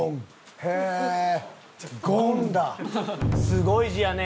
すごい字やね「」。